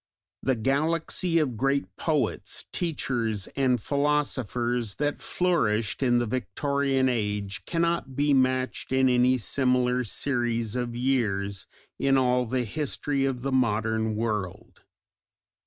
The galaxy of great poets, teachers, and philosophers that flourished in the Victorian age cannot be matched in any similar series of years in all the history of the modern world.